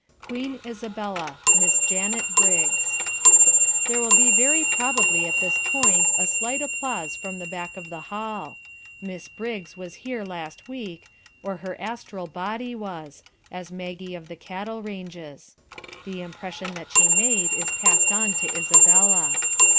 QUEEN ISABELLA.. Miss Janet Briggs There will be very probably at this point a slight applause from the back of the hall. Miss Briggs was here last week, or her astral body was as Maggie of the Cattle Ranges. The impression that she made is passed on to Isabella.